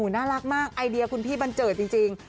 น่ารักมากไอเดียคุณพี่บันเจิดจริง